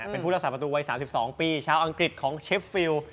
เป็นผู้รักษาประตูวัย๓๒ปีชาวอังกฤษของเชฟฟิล